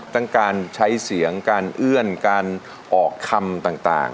ทั้งการใช้เสียงการเอื้อนการออกคำต่าง